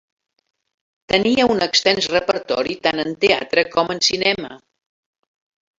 Tenia un extens repertori tant en teatre com en cinema.